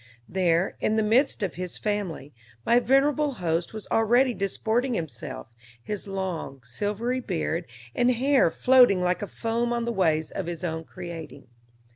There, in the midst of his family, my venerable host was already disporting himself, his long, silvery beard and hair floating like a foam on the waves of his own creating.